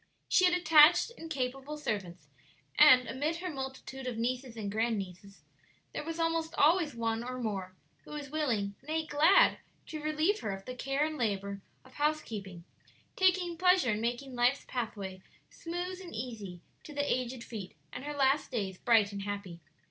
She had attached and capable servants, and amid her multitude of nieces and grand nieces, there was almost always one or more who was willing nay, glad, to relieve her of the care and labor of housekeeping, taking pleasure in making life's pathway smooth and easy to the aged feet, and her last days bright and happy.